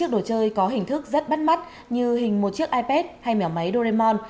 đồ chơi có hình thức rất bắt mắt như hình một chiếc ipad hay mèo máy doraemon